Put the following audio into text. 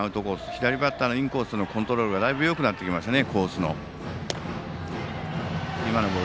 左バッターのインコースのコントロールがだいぶよくなってきましたね。